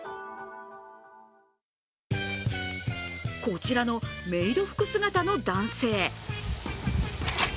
こちらのメイド服姿の男性。